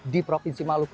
di provinsi maluku